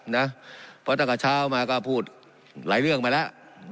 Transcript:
เพราะตั้งแต่เช้ามาก็พูดหลายเรื่องมาแล้ว